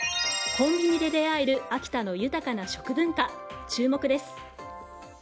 コンビニで出会える秋田の豊かな食文化、注目です。